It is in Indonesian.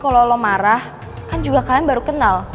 kalau lo marah kan juga kalian baru kenal